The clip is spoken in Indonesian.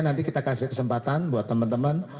nanti kita kasih kesempatan buat teman teman